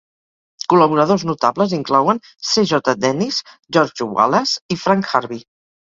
Col·laboradors notables inclouen C.J. Dennis, George Wallace i Frank Harvey.